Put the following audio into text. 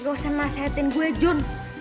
gausah nasehatin gua jun